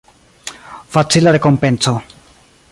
Facila rekompenco.